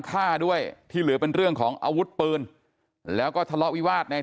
ฆ่าด้วยที่เหลือเป็นเรื่องของอาวุธปืนแล้วก็ทะเลาะวิวาสใน